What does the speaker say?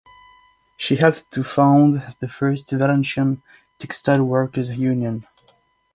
She helped to found the first Valencian Textile Workers' Union.